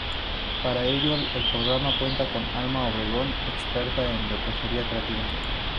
Para ello, el programa cuenta con Alma Obregón, experta en repostería creativa.